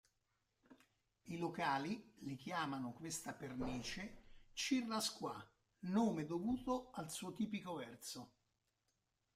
I locali li chiamano questa pernice "Chir-ras-qua", nome dovuto al suo tipico verso.